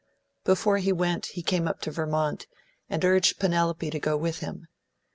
Before he went he came up to Vermont, and urged Penelope to go with him.